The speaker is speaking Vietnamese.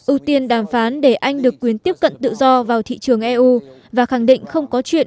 ưu tiên đàm phán để anh được quyền tiếp cận tự do vào thị trường eu và khẳng định không có chuyện